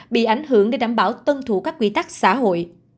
bị ảnh hưởng để đảm bảo tuân thủ các quy tắc xã hội